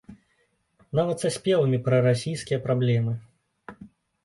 Нават са спевамі пра расійскія праблемы.